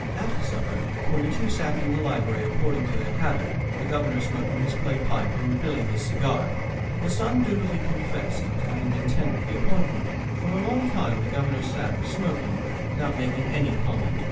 After supper, when the two sat in the library, according to their habit, the Governor smoking his clay pipe and Billy his cigar, the son dutifully confessed to having been tendered the appointment. For a long time the Governor sat, smoking, without making any comment.